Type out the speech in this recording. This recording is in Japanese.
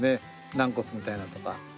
軟骨みたいなのとか。